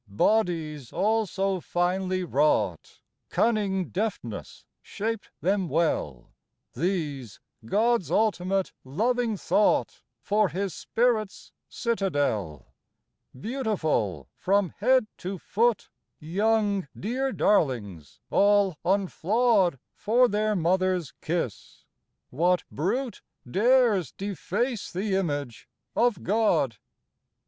Bodies all so finely wrought Cunning deftness shaped them well ; These, God's ultimate, loving thought For His Spirit's citadel. Beautiful from head to foot, Young, dear darlings all unflawed For their mother's kiss. What brute Dares deface the image of God